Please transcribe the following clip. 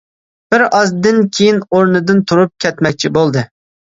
بىر ئازدىن كېيىن ئورنىدىن تۇرۇپ كەتمەكچى بولدى.